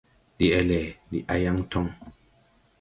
Deʼele, ndi a yaŋ toŋ.